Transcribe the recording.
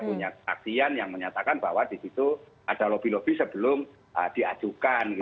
punya kesaksian yang menyatakan bahwa di situ ada lobby lobby sebelum diajukan